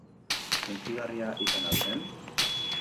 Hunkigarria izan al zen?